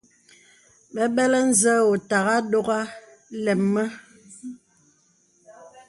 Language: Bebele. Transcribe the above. Bəbələ nzə wò òtà àdógā lēm mə.